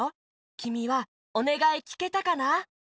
きみはおねがいきけたかな？